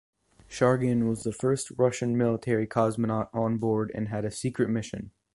Shargin was the first Russian military cosmonaut on board and had a secret mission.